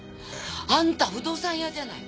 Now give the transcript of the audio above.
あんた不動産屋じゃない！